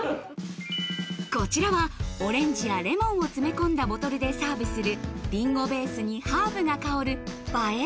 こちらはオレンジやレモンを詰め込んだボトルでサーブするリンゴベースにハーブが香る映え